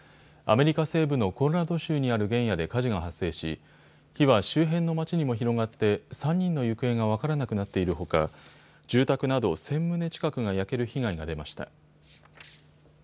アメリカ西部のコロラド州にある原野で火事が発生し火は周辺の町にも広がって３人の行方が分からなくなっているほか住宅など１０００棟近くが焼ける被害が出ました。